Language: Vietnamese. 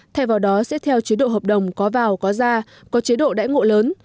thay vào đó sẽ theo chế độ hợp đồng có vào có ra có chế độ đãi ngộ lớn